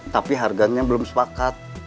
tapi harganya belum sepakat